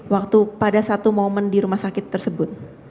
waktu pada satu momen di rumah sakit tersebut